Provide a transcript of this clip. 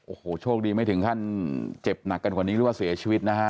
โอ้โหโชคดีไม่ถึงขั้นเจ็บหนักกันกว่านี้หรือว่าเสียชีวิตนะฮะ